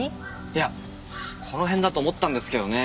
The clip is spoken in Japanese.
いやこの辺だと思ったんですけどね。